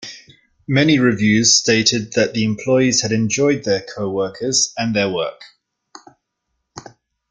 Many reviews stated that the employees had enjoyed their coworkers and their work.